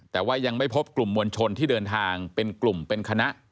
แต่ว่ายังไม่พบกลุ่มมวลชนที่เดินทางเป็นกลุ่มเป็นคณะ